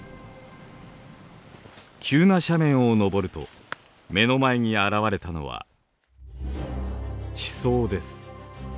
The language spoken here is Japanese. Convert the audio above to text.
急な斜面を登ると目の前に現れたのは地層です。